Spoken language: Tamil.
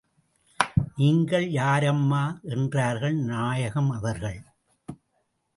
நீங்கள் யாரம்மா என்றார்கள் நாயகம் அவர்கள்.